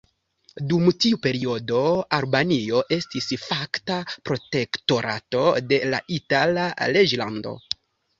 Dum tiu periodo Albanio estis fakta protektorato de la Itala reĝlando.